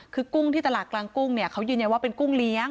คือกุ้งที่ตลาดกลางกุ้งเนี่ยเขายืนยันว่าเป็นกุ้งเลี้ยง